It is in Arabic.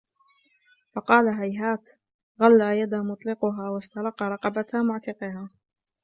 فَقَالَ هَيْهَاتَ ، غَلَّ يَدًا مُطْلِقُهَا وَاسْتَرَقَّ رَقَبَةً مُعْتِقُهَا